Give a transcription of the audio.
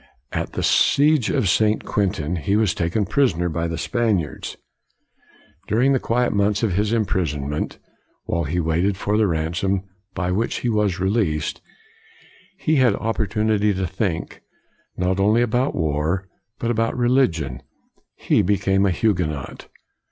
At the siege of St. Quentin, he was taken prisoner by the Spaniards. During the quiet months of his imprisonment, while he waited for the ransom by which he was released, he had opportunity to think, not only about war, but about religion. He became a Huguenot.